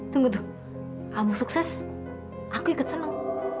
tunggu tunggu kamu sukses aku ikut senang